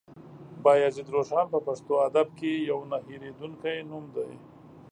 بايزيد روښان په پښتو ادب کې يو نه هېرېدونکی نوم دی.